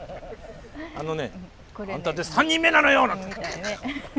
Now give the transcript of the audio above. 「あのねあんたで３人目なのよ！」なんて。